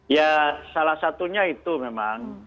ya salah satunya itu memang